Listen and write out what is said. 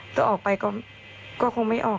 ถ้าออกไปก็คงไม่ออก